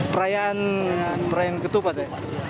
perayaan ketupat ya